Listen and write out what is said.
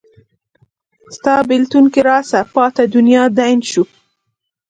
ستا بیلتون کې راڅه پاته دنیا دین شو